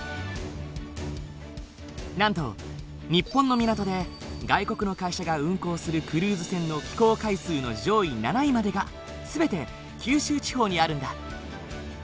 なんと日本の港で外国の会社が運航するクルーズ船の寄港回数の上位７位までが全て九州地方にあるんだ。